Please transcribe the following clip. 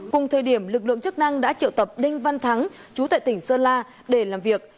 cùng thời điểm lực lượng chức năng đã triệu tập đinh văn thắng chú tại tỉnh sơn la để làm việc